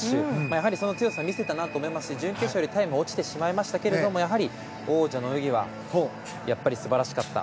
やはり、その強さを見せたなと思いますし準決勝よりもタイムは落ちてしまいましたけどやはり王者の泳ぎは素晴らしかった。